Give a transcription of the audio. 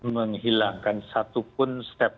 menghilangkan satupun step